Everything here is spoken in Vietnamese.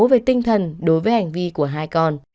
về tinh thần đối với hành vi của hai con